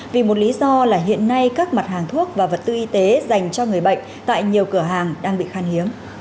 vì một lý do là hiện nay các mặt hàng thuốc và vật tư y tế dành cho người bệnh tại nhiều cửa hàng đang bị khan hiếm